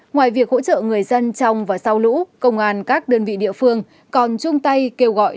ngoài việc hỗ trợ người dân trong và sau lũ công an các đơn vị địa phương còn chung tay kêu gọi